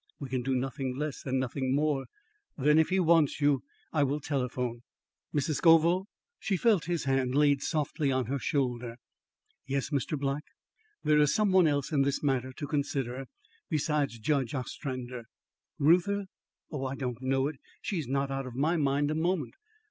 We can do nothing less and nothing more. Then if he wants you, I will telephone." "Mrs. Scoville?" She felt his hand laid softly on her shoulder. "Yes, Mr. Black." "There is some one else in this matter to consider besides Judge Ostrander." "Reuther? Oh, don't I know it! She's not out of my mind a moment."